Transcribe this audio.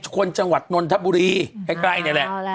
ชนจังหวัดนนทบุรีใกล้นี่แหละ